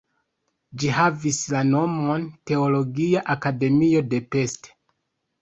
Ĝi havis la nomon "Teologia Akademio de Pest".